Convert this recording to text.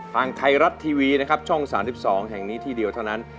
ทางไทยรัฐทีวีนะครับช่อง๓๒แห่งนี้ที่เดียวเท่านั้น